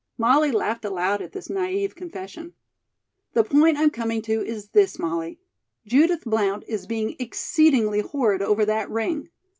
Molly laughed aloud at this naïve confession. "The point I'm coming to is this, Molly: Judith Blount is being exceedingly horrid over that ring.